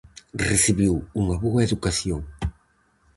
Recibiu unha boa educación.